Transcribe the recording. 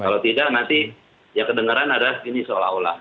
kalau tidak nanti ya kedengeran adalah ini seolah olah